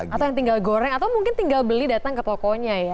atau yang tinggal goreng atau mungkin tinggal beli datang ke tokonya ya